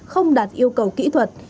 không đạt yêu cầu kỹ thuật